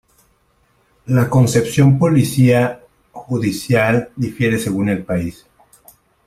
La concepción policía judicial difiere según el país.